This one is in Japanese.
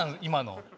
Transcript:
今の。